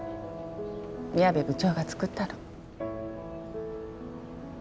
宮部部長が作ったの。